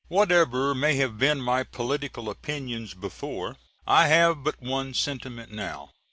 Whatever may have been my political opinions before, I have but one sentiment now.